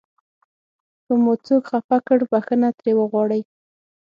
که مو څوک خفه کړ بښنه ترې وغواړئ.